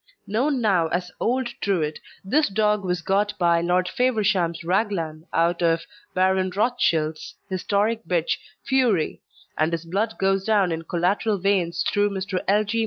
Known now as "Old" Druid, this dog was got by Lord Faversham's Raglan out of Baron Rothschild's historic bitch Fury, and his blood goes down in collateral veins through Mr. L. G.